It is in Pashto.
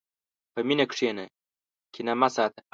په مینه کښېنه، کینه مه ساته.